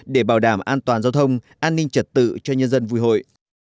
để bảo đảm an toàn giao thông an ninh trật tự cho nhân dân vui hội